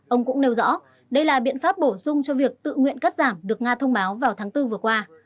ông cũng nêu rõ đây là biện pháp bổ sung cho việc tự nguyện cắt giảm được nga thông báo vào tháng bốn vừa qua